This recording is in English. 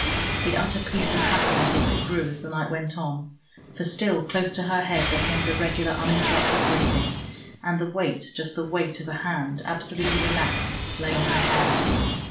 The utter peace and happiness of it grew as the night went on, for still close to her head there came the regular uninterrupted breathing, and the weight, just the weight of a hand absolutely relaxed, lay on her hair.